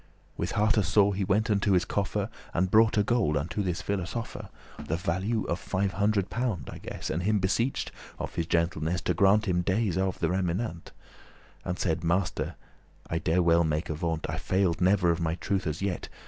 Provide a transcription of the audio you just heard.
With hearte sore he went unto his coffer, And broughte gold unto this philosopher, The value of five hundred pound, I guess, And him beseeched, of his gentleness, To grant him *dayes of* the remenant; *time to pay up* And said; "Master, I dare well make avaunt, I failed never of my truth as yet.